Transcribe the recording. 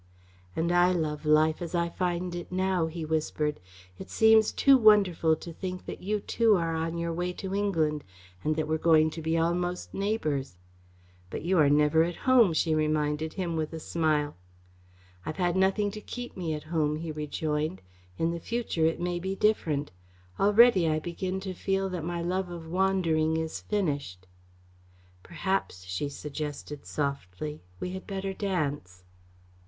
"And I love life as I find it now," he whispered. "It seems too wonderful to think that you too are on your way to England, and that we're going to be almost neighbours." "But you are never at home," she reminded him, with a smile. "I've had nothing to keep me at home," he rejoined. "In the future it may be different. Already I begin to feel that my love of wandering is finished." "Perhaps," she suggested softly, "we had better dance."